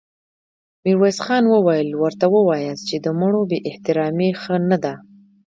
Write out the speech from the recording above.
ميرويس خان وويل: ورته وواياست چې د مړو بې احترامې ښه نه ده.